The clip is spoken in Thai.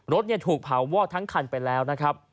รถถูกเผาวอดทั้งคันไปแล้วนะครับ